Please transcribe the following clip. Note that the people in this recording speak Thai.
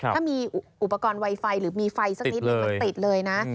ถ้ามีอุปกรณ์ไวไฟหรือมีไฟสักนิดนึงมันติดเลยนะ